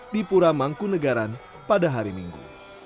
di pura mangkunegaran pada hari minggu